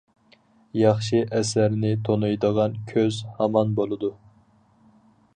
ياخشى ئەسەرنى تونۇيدىغان كۆز ھامان بولىدۇ.